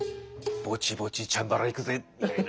ぼちぼちチャンバラ行くぜみたいな。